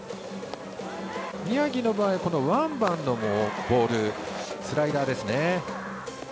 宮城の場合はワンバウンドのボールスライダーですね。